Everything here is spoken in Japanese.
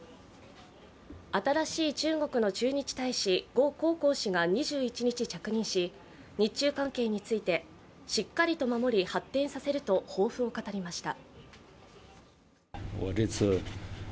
新しい中国の駐日大使呉江浩氏が２１日、着任し日中関係について、しっかりと守り発展させると抱負を語りました。